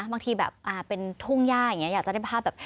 บางทีแบบเป็นทุ่งย่าอย่างนี้อยากจะได้ภาพแบบ